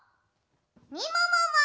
みももも。